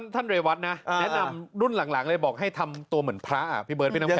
เรวัตนะแนะนำรุ่นหลังเลยบอกให้ทำตัวเหมือนพระอ่ะพี่เบิร์พี่น้ำแข